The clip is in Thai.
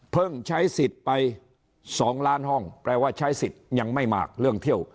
ใช้สิทธิ์ไป๒ล้านห้องแปลว่าใช้สิทธิ์ยังไม่มากเรื่องเที่ยว